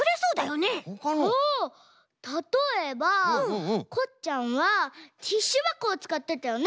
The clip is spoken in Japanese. あったとえばこっちゃんはティッシュばこをつかってたよね？